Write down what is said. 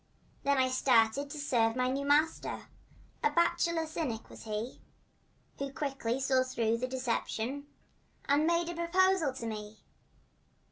Then I started to serve my new master— A bachelor cynic was he, Who quickly saw through the deception And made a proposal to me.